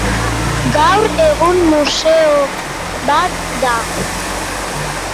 Gaur egun museo bat da.